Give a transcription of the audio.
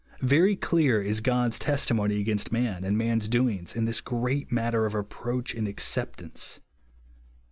Very clear is God's testimony against man, and man's doings, in this great matter of approach and acceptance.